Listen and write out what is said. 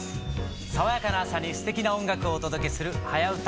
爽やかな朝にすてきな音楽をお届けする「はやウタ」。